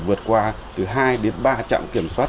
vượt qua từ hai đến ba trạm kiểm soát